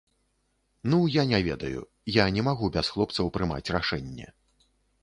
Ну, я не ведаю, я не магу без хлопцаў прымаць рашэнне.